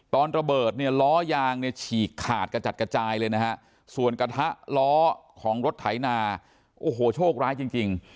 ตอนระเบิดเนี่ยล้อยางเนี่ยฉีกขาดกระจัดกระจายเลยนะฮะส่วนกระทะล้อของรถไถนาโอ้โหโชคร้ายจริง